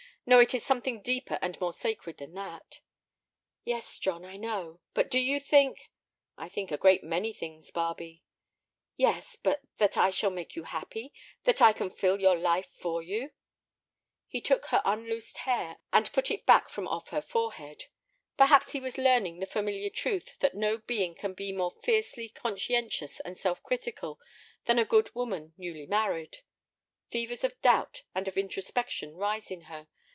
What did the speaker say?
No, it is something deeper and more sacred than that." "Yes, John, I know. But do you think—" "I think a great many things, Barbe." "Yes; but that I shall make you happy, that I can fill your life for you?" He took her unloosed hair, and put it back from off her forehead. Perhaps he was learning the familiar truth that no being can be more fiercely conscientious and self critical than a good woman newly married. Fevers of doubt and of introspection rise in her.